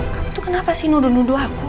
kamu tuh kenapa sih nuduh nuduh aku